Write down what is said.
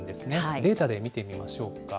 データで見てみましょうか。